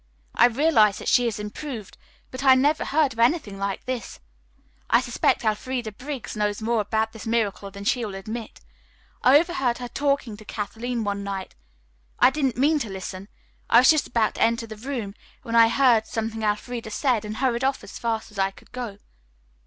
I realized that she had improved, but I never heard of anything like this. I suspect Elfreda Briggs knows more about this miracle than she will admit. I overheard her talking to Kathleen one night. I didn't mean to listen. I was just about to enter the room when I heard something Elfreda said and hurried off as fast as I could go."